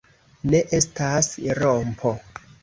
Ne, estas rompo.